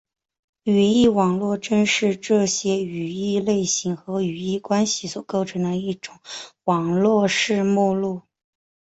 语义网络正是这些语义类型和语义关系所构成的一种网络式目录。